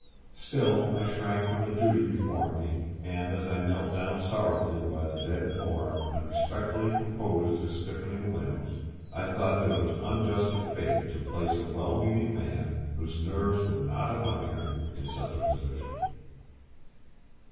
Still I shrank from the duty before me, and, as I knelt down sorrowfully by the dead form and respectfully composed his stiffening limbs, I thought that it was unjust of fate to place a well meaning man, whose nerves were not of iron, in such a position.